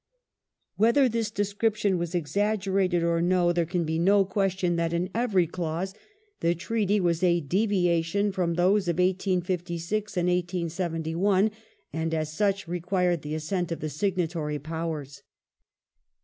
^ Whether this description were exaggerated or no, there can be no question that, in every clause, the Treaty was a " devia tion " from those of 1856 and 1871, and as such required the assent of the signatory Powers.